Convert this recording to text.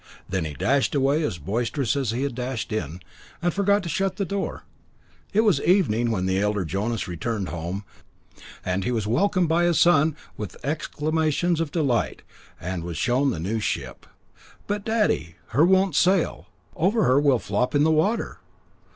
Then he dashed away as boisterous as he had dashed in, and forgot to shut the door. It was evening when the elder Jonas returned home, and he was welcomed by his son with exclamations of delight, and was shown the new ship. "But, daddy, her won't sail; over her will flop in the water."